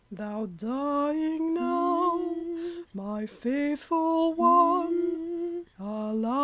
Thou'rt dying now, my faithful one, Alas!